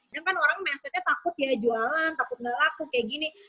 dan kan orang mensetnya takut jualan takut tidak laku seperti ini